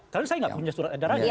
karena saya nggak punya surat edarannya